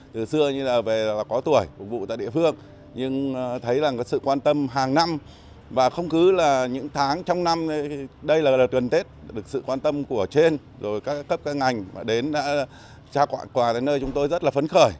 từ xưa như là về có tuổi phục vụ tại địa phương nhưng thấy rằng sự quan tâm hàng năm và không cứ là những tháng trong năm đây là đợt tuần tết được sự quan tâm của trên rồi các cấp các ngành đến đã trao quà đến nơi chúng tôi rất là phấn khởi